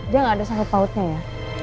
dia gak ada sanggup pautnya ya